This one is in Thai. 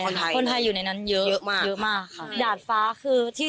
คนไทยคนไทยอยู่ในนั้นเยอะเยอะมากเยอะมากค่ะดาดฟ้าคือที่